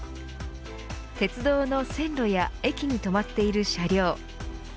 鉄道の線路や駅に止まっている車両